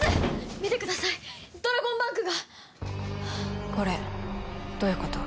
見てくださいドラゴンバンクがこれどういうこと？